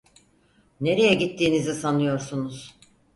Nereye gittiğinizi sanıyorsunuz?